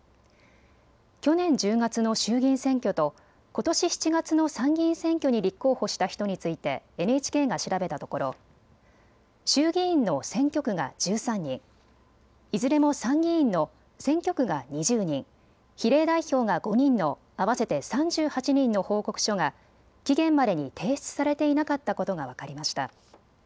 去年１０月の衆議院選挙とことし７月の参議院選挙に立候補した人についてＮＨＫが調べたところ衆議院の選挙区が１３人、いずれも参議院の選挙区が２０人、比例代表が５人の合わせて３８人の報告書が期限までに提出されていなかったことが分かりました。